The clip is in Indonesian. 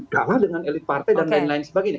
kalah dengan elit partai dan lain lain sebagainya